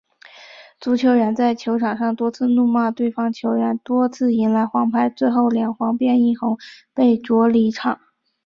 足球员在球场上多次怒骂对方球员，多次迎来黄牌，最后两黄变一红，被逐离场。